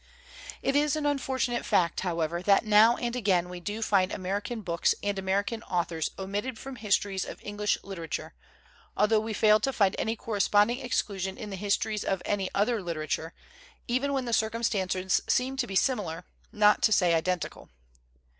It is an unfortunate fact, however, that now and again we do find Ameri can books and American authors omitted from histories of English literature, altho we fail to find any corresponding exclusion in the his tories of any other literature, even when the circumstances seem to be similar, not to say identical.